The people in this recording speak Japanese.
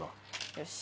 よし。